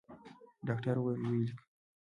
ډاکتر وويل ويې ليکه.